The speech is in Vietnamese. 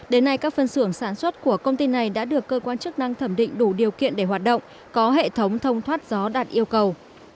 đến nay các phân xưởng sản xuất của công ty này đã được cơ quan chức năng thẩm định đủ điều kiện để hoạt động có hệ thống thông thoát gió đạt yêu cầu